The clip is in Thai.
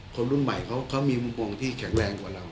คนรุ่นใหม่เขามีมุมมองที่แข็งแรงกว่าเรา